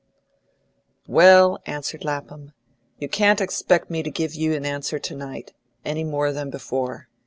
"Well," answered Lapham, "you can't expect me to give you an answer to night, any more than before.